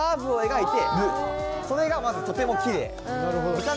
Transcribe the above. それがまずとてもキレイ。